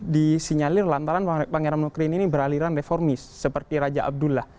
disinyalir lantaran pangeran nukrin ini beraliran reformis seperti raja abdullah